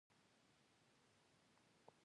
دغه جمهوریت سیاسي بنسټونه رامنځته کړل